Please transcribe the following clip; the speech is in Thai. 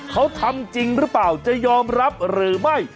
เขาทำจริงหรือเปล่าจะยอมรับหรือไม่